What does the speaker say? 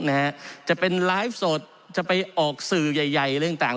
นะฮะจะเป็นไลฟ์สดจะไปออกสื่อใหญ่ใหญ่อะไรต่าง